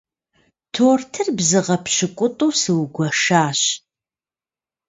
Тортыр бзыгъэ пщыкӏутӏу сыугуэшащ.